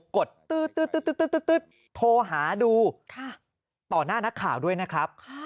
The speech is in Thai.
กดตื้อโทรหาดูต่อหน้านักข่าวด้วยนะครับ